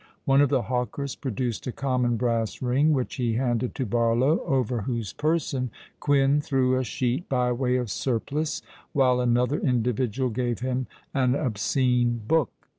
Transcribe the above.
One of the hawkers produced a common brass ring, which he handed to Barlow, over whose person Quin threw a sheet by way of surplice, while another individual gave him an obscene book.